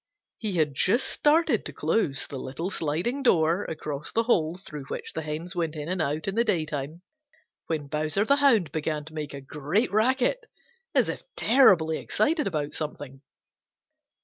He had just started to close the little sliding door across the hole through which the hens went in and out in the daytime when Bowser the Hound began to make a great racket, as if terribly excited about something.